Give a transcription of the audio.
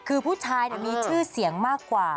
คือผู้ชายมีชื่อเสียงมากกว่า